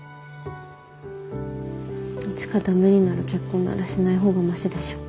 いつかダメになる結婚ならしないほうがマシでしょ。